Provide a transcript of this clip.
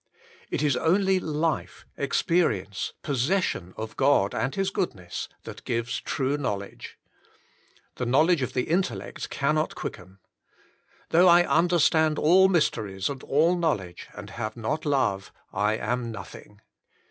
It Is only Life, Experience, Possession, op God and His Goodness That Gives True Knowledge. The knowledge of the intellect can not quicken. " Though I understand all mysteries and all knowledge, and have not love, I am noth ing.